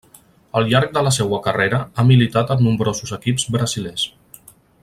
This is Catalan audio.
Al llarg de la seua carrera ha militat en nombrosos equips brasilers.